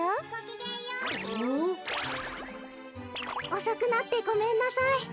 おそくなってごめんなさい。